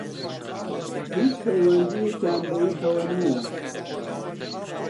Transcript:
هیچ پەیوەندییەکیان بەیەکەوە نییە